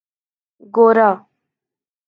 گورا